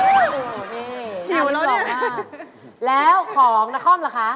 โอ้โฮนี่น่าที่สองห้าแล้วของนครเหรอคะ